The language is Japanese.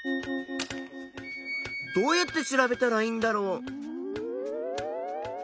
どうやって調べたらいいんだろう。